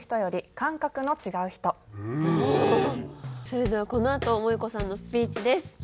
それではこのあと萌子さんのスピーチです。